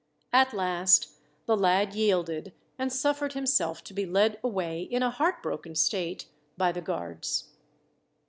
At last the lad yielded, and suffered himself to be led away, in a heartbroken state, by the guards.